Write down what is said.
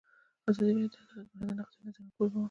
ازادي راډیو د عدالت په اړه د نقدي نظرونو کوربه وه.